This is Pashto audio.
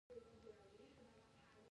• د ورځې کار د سبا لپاره برکت لري.